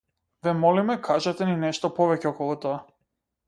Ве молиме кажете ни нешто повеќе околу тоа.